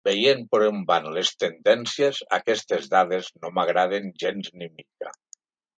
Veient per on van les tendències, aquestes dades no m’agraden gens ni mica.